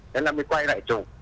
thế là mình quay lại chụp